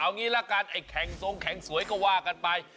เอางี้ละกันไอ้แข่งทรงแข่งสวยก็ว่ากันไป